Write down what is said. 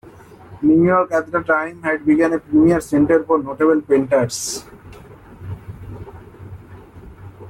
New York at that time had become a premier center for notable painters.